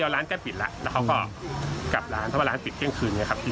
อีกร้านแก้ปิดแล้วเขาก็กลับร้านเพราะว่าร้านปิดเที่ยงคืน